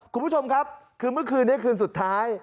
คุณผู้ชมครับคือเมื่อคืนนี้คืนสุดท้าย